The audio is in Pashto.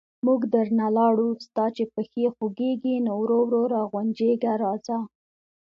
موږ درنه لاړو، ستا چې پښې خوګېږي، نو ورو ورو را غونجېږه راځه...